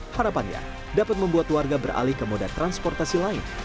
harapannya dapat membuat warga beralih ke moda transportasi lain